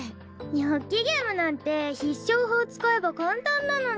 ニョッキゲームなんて必勝法使えば簡単なのに。